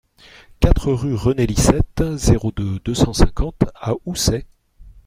quatre rue René Licette, zéro deux, deux cent cinquante à Housset